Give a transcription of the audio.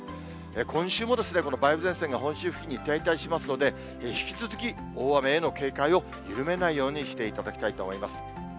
今週もこの梅雨前線が本州付近に停滞しますので、引き続き大雨への警戒を緩めないようにしていただきたいと思います。